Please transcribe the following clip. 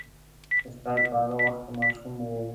استاد په هغه وخت کې ماشوم و.